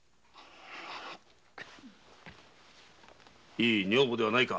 いい女房ではないか。